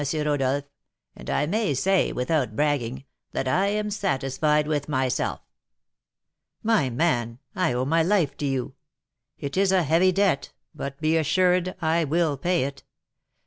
Rodolph; and I may say, without bragging, that I am satisfied with myself." "My man, I owe my life to you; it is a heavy debt, but be assured I will pay it.